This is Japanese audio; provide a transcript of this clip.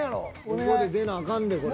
ここで出なあかんでこれ。